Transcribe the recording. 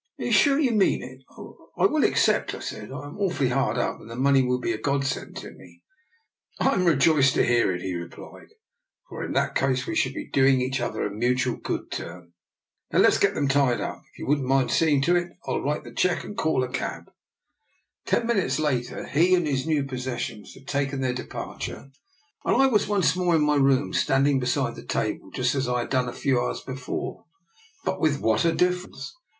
If you are sure you mean it, I will ac cept,*' I said. " I am awfully hard up, and the money will be a godsend to me." " I am rejoiced to hear it," he replied, " for in that case we shall be doing each other a mutual good turn. Now let's get them tied up. If you wouldn't mind seeing to it, I'll write the cheque and call a cab." Ten minutes later he and his new posses l6 DR. NIKOLA'S EXPERIMENT. sions had taken their departure, and I was once more in my room standing beside the table, just as I had done a few hours before, but with what a difference!